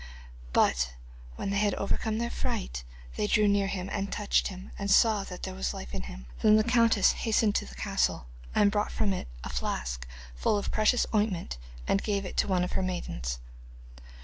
But when they had overcome their fright, they drew near him, and touched him, and saw that there was life in him. Then the countess hastened to the castle, and brought from it a flask full of precious ointment and gave it to one of her maidens.